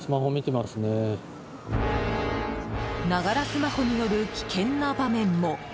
スマホによる危険な場面も。